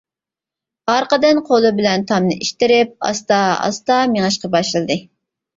ئارقىدىن قولى بىلەن تامنى ئىتتىرىپ ئاستا-ئاستا مېڭىشقا باشلىدى.